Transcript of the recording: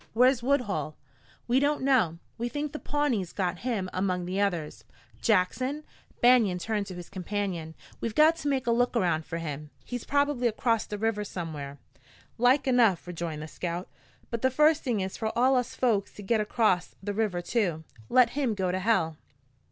Where's Woodhull?" "We don't know. We think the Pawnees got him among the others." "Jackson" Banion turned to his companion "we've got to make a look around for him. He's probably across the river somewhere." "Like enough," rejoined the scout. "But the first thing is for all us folks to git acrost the river too. Let him go to hell."